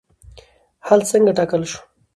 حل څنګه ټاکل شو؟